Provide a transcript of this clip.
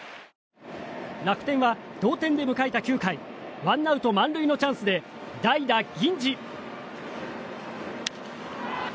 楽天は同点で迎えた９回ワンアウト満塁のチャンスで代打、銀次。